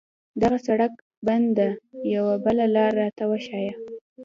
دغه سړک بند ده، یوه بله لار راته وښایه.